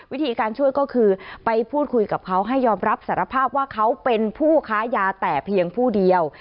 วิธีการช่วยก็คือไปพูดคุยกับเขาให้ยอมรับสารภาพว่าเขาเป็นผู้ค้ายาแต่เพียงผู้เดียว